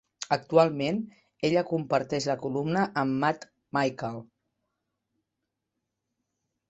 Actualment, ella comparteix la columna amb Matt Michael.